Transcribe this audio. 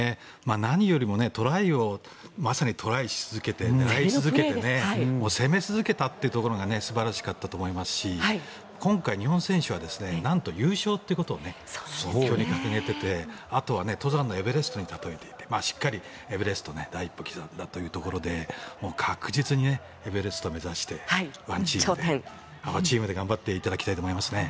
何よりもトライをまさにトライし続けて狙い続けて攻め続けたというところが素晴らしかったと思いますし今回、日本選手はなんと優勝ということを目標に掲げていてあとは登山のエベレストに例えていてしっかりエベレストへの第一歩を刻んだということで確実にエベレスト目指してワンチーム、アワチームで頑張っていただきたいと思います。